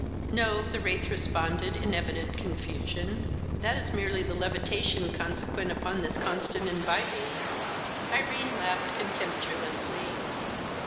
"No," the wraith responded, in evident confusion; "that is merely the levitation consequent upon this constant imbibing." Irene laughed contemptuously.